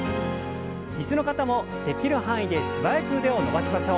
椅子の方もできる範囲で素早く腕を伸ばしましょう。